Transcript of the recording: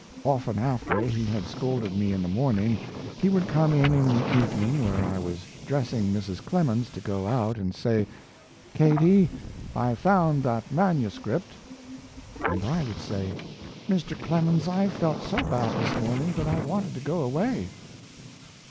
Often after he had scolded me in the morning he would come in in the evening where I was dressing Mrs. Clemens to go out and say, "Katie, I found that manuscript." And I would say, "Mr. Clemens, I felt so bad this morning that I wanted to go away."